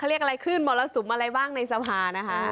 เรียกอะไรขึ้นมรสุมอะไรบ้างในสภานะคะ